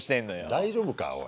大丈夫かおい。